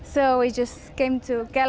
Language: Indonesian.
dan berjalan dengan kapal